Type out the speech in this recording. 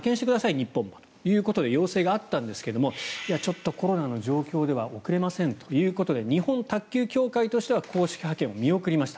日本ということで要請があったんですがちょっとコロナの状況では送れませんということで日本卓球協会としては公式派遣を見送りました。